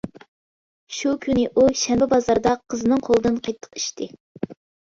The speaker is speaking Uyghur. شۇ كۈنى ئۇ شەنبە بازاردا قىزنىڭ قولىدىن قېتىق ئىچتى.